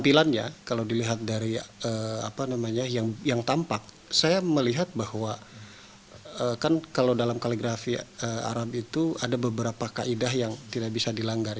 tampilannya kalau dilihat dari apa namanya yang tampak saya melihat bahwa kan kalau dalam kaligrafi arab itu ada beberapa kaedah yang tidak bisa dilanggar